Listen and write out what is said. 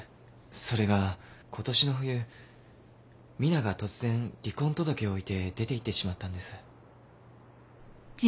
それが今年の冬ミナが突然離婚届を置いて出て行ってしまったんです。